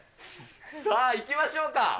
さあ、いきましょうか。